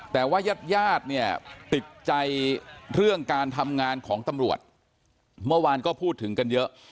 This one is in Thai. แต่ว่ายาดเนี่ยติดใจเรื่องการทำงานของตำรวจเมื่อวานก็พูดถึงกันเยอะ